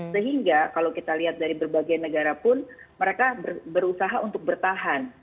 sehingga kalau kita lihat dari berbagai negara pun mereka berusaha untuk bertahan